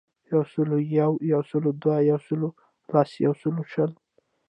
یوسلویو, یوسلودوه, یوسلولس, یوسلوشل